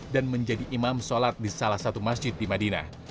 dan menjadi imam sholat di salah satu masjid di madinah